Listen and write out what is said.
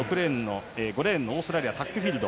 ５レーン、オーストラリアのタックフィールド。